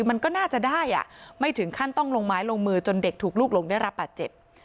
มันก็น่าจะได้อ่ะไม่ถึงขั้นต้องลงไม้ลงมือจนเด็กถูกลูกหลงได้รับบาดเจ็บ